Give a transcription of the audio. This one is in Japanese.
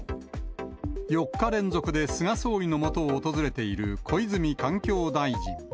４日連続で菅総理のもとを訪れている小泉環境大臣。